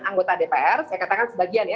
anggota dpr saya katakan sebagian ya